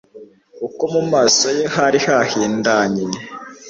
uko mu maso ye hari hahindanye